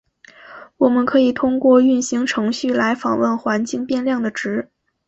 我们可以通过运行程序来访问环境变量的值。